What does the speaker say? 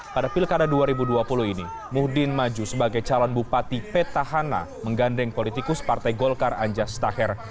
pada pilkada dua ribu dua puluh ini muhdin maju sebagai calon bupati petahana menggandeng politikus partai golkar anja setaher